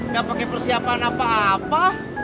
gak pakai persiapan apa apa